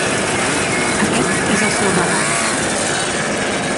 Aquest és el seu regal.